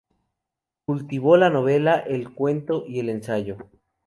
Cultivó la novela, el cuento y el ensayo.